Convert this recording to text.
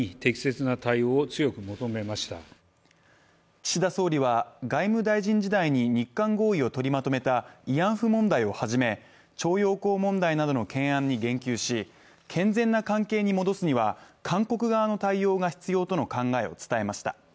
岸田総理は、外務大臣時代に日韓合意を取りまとめた慰安婦問題をはじめ徴用工問題などの懸案に言及し健全な関係に戻すには韓国側の対応が必要との考えを伝えました。